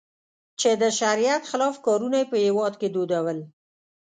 چې د شریعت خلاف کارونه یې په هېواد کې دودول.